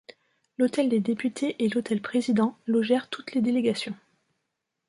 L'hôtel des Députés et l'hôtel Président logèrent toutes les délégations.